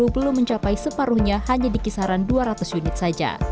belum mencapai separuhnya hanya di kisaran dua ratus unit saja